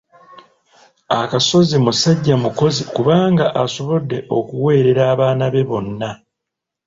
Akasozi musajja mukozi kubanga asobodde okuweerera abaana be bonna.